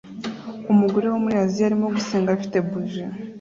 Umugore wo muri Aziya arimo gusenga afite buji